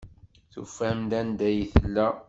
Tufam-d anda ay tella.